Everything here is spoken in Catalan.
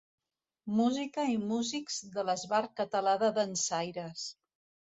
Música i músics de l'Esbart Català de Dansaires.